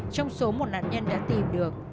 trong số một nạn nhân đã tìm được